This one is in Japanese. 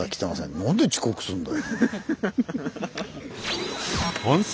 何で遅刻すんだよ。